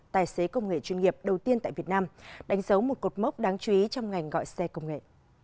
tài xế công nghệ chuyên nghiệp đầu tiên tại việt nam đánh dấu một cột mốc đáng chú ý trong ngành gọi xe công nghệ